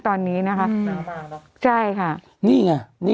กรมป้องกันแล้วก็บรรเทาสาธารณภัยนะคะ